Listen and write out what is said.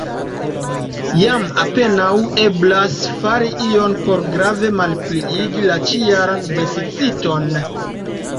Jam apenaŭ eblas fari ion por grave malpliigi la ĉi-jaran deficiton.